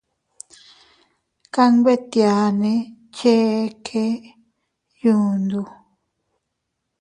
Kanbetianne cheʼe kee yundo.